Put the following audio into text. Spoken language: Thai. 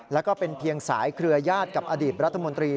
แล้วก็เป็นเพียงสายเครือญาติกับอดีตรัฐมนตรี